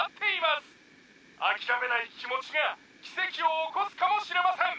「諦めない気持ちが奇跡を起こすかもしれません」